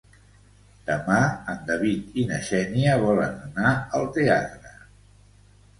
Demà en David i na Xènia volen anar al teatre.